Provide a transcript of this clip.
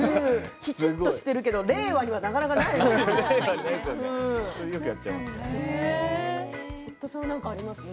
きちんとしていますけれども令和には、なかなかないですね。